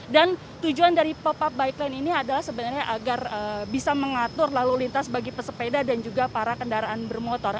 dan tujuan dari pop up bike lane ini adalah sebenarnya agar bisa mengatur lalu lintas bagi pesepeda dan juga para kendaraan bermotor